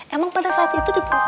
emang pada saat itu diperiksa